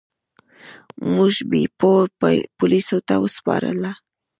موږ بیپو پولیسو ته وسپاره.